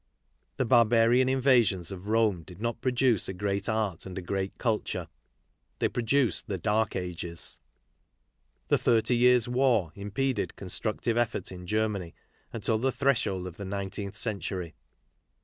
The barbarian invasions of Rome did not produce a great art and a great culture, they produced the dark ages. The Thirty Years' War im peded constructive effort in Germany until the threshold of the nineteenth century.